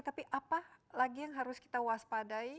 tapi apa lagi yang harus kita waspadai